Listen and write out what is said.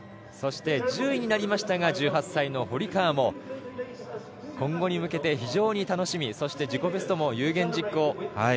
そして１０位になりましたが１８歳の堀川も今後に向けて、非常に楽しみ自己ベストも有言実行。